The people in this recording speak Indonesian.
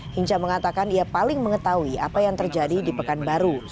hinca mengatakan ia paling mengetahui apa yang terjadi di pekanbaru